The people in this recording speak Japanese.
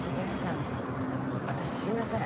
あのあたし知りません。